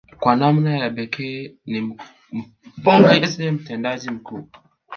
Kwa namna ya pekee ni mpongeze mtendaji mkuu